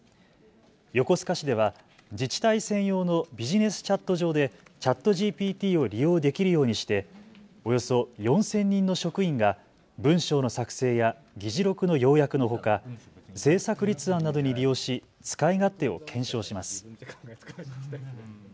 横須賀市では自治体専用のビジネスチャット上でＣｈａｔＧＰＴを利用できるようにして、およそ４０００人の職員が文章の作成や議事録の要約のほか、政策立案などに利用し使い勝手を検証します。